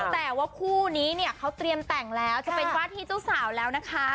แต่ว่าคู่นี้เนี่ยเขาเตรียมแต่งแล้วจะเป็นว่าที่เจ้าสาวแล้วนะคะ